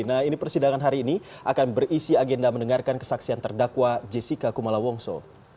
nah ini persidangan hari ini akan berisi agenda mendengarkan kesaksian terdakwa jessica kumala wongso